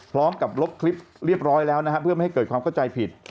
ลบคลิปเรียบร้อยแล้วนะฮะเพื่อไม่ให้เกิดความเข้าใจผิด